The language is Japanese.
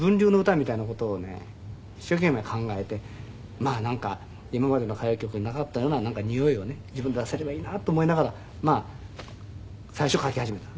まあなんか今までの歌謡曲になかったようなにおいをね自分出せればいいなと思いながら最初書き始めたの。